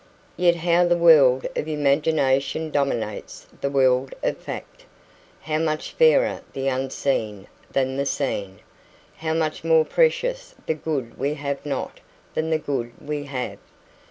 Yet how the world of imagination dominates the world of fact! How much fairer the unseen than the seen! How much more precious the good we have not than the good we have!